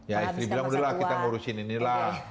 ya istri bilang udah lah kita ngurusin inilah